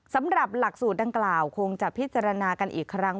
สำหรับหลักสูตรดังกล่าวคงจะพิจารณากันอีกครั้ง